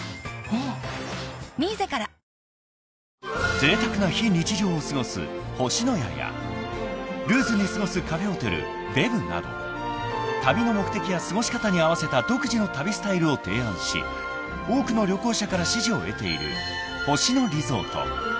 ［ぜいたくな非日常を過ごす「星のや」やルーズに過ごすカフェホテル「ＢＥＢ」など旅の目的や過ごし方に合わせた独自の旅スタイルを提案し多くの旅行者から支持を得ている星野リゾート］